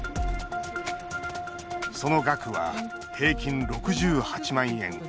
その額は平均６８万円。